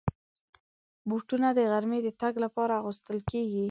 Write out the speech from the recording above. بوټونه د غرمې د تګ لپاره اغوستل کېږي.